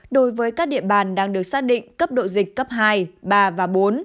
đối với các địa bàn đang được xác định cấp độ dịch cấp hai ba và bốn